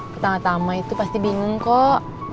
pertama tama itu pasti bingung kok